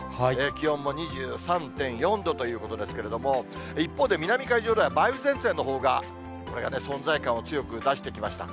気温も２３．４度ということですけれども、一方で、南海上では梅雨前線のほうが、これが存在感を強く出してきました。